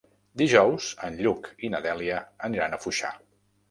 Dijous en Lluc i na Dèlia aniran a Foixà.